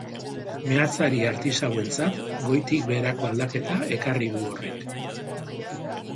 Meatzari artisauentzat goitik beherako aldaketa ekarri du horrek.